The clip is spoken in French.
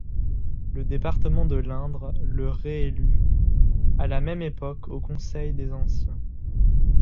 Le département de l'Indre le réélut, à la même époque, au Conseil des Anciens.